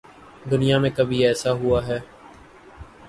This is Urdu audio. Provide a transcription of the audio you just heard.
دنیا میں کبھی ایسا ہو اہے؟